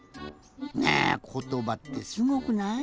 ねえことばってすごくない？